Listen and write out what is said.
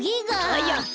はやく！